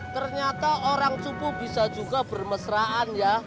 ternyata orang suku bisa juga bermesraan ya